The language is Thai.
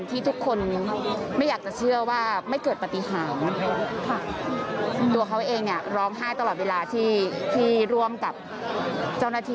ตัวเขาเองร้องไห้ตลอดเวลาที่ร่วมกับเจ้าหน้าที่